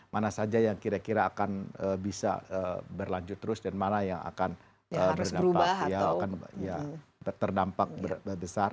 mana saja yang kira kira akan bisa berlanjut terus dan mana yang akan berdampak besar